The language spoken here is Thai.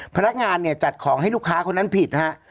พนักงานเนี่ยจัดของให้ลูกค้าคนนั้นผิดนะฮะ